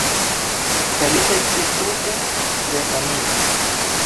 Feliĉe ŝi tute resaniĝis.